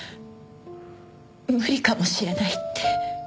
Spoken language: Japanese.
無理かもしれないって。